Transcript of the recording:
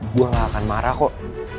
gue gak akan marah kok